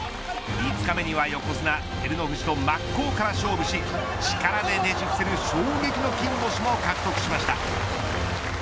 ５日目には横綱、照ノ富士と真っ向から勝負し力でねじ伏せる衝撃の金星を獲得しました。